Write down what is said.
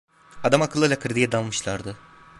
Adamakıllı lakırdıya dalmışlardı.